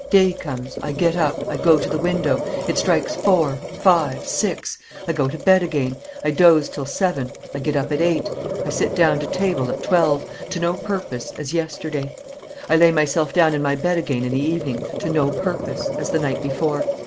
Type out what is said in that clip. Day comes, I get up, I go to the window. It strikes four, five, six; I go to bed again, I doze till seven, I get up at eight, I sit down to table at twelve, to no purpose, as yesterday. I lay myself down in my bed again in the evening, to no purpose, as the night before.